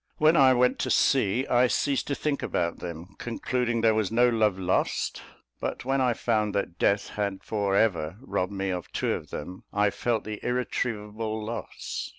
When I went to sea, I ceased to think about them, concluding there was no love lost; but when I found that death had for ever robbed me of two of them, I felt the irretrievable loss.